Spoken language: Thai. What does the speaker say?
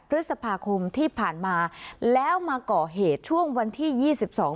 พฤษภาคมที่ผ่านมาแล้วมาก่อเหตุช่วงวันที่ยี่สิบสอง